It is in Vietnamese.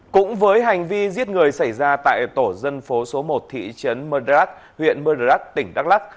cũng với hành vi giết người xảy ra tại tổ dân phố số một thị trấn mờ đà rắc huyện mờ đà rắc tỉnh đắk lắc